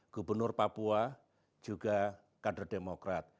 gubernur papua juga kader demokrat